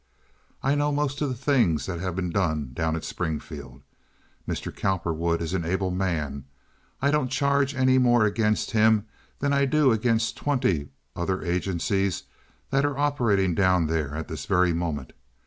I know most of the things that have been done down at Springfield. Mr. Cowperwood is an able man; I don't charge any more against him than I do against twenty other agencies that are operating down there at this very moment.